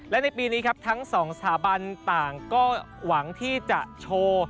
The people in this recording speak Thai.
และในปีนี้ครับทั้งสองสถาบันต่างก็หวังที่จะโชว์